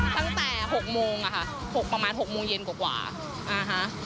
ตั้งแต่หกโมงอะค่ะหกประมาณหกโมงเย็นกว่ากว่าอ่าฮะ